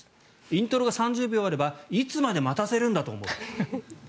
イントロが３０秒あればいつまで待たせるんだと思う。